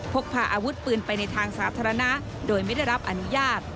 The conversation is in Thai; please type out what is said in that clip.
พกพาอาวุธปืนไปในทางสาธารณะโดยไม่ได้รับอนุญาต